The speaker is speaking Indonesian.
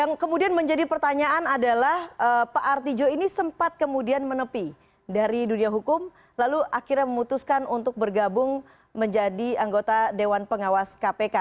yang kemudian menjadi pertanyaan adalah pak artijo ini sempat kemudian menepi dari dunia hukum lalu akhirnya memutuskan untuk bergabung menjadi anggota dewan pengawas kpk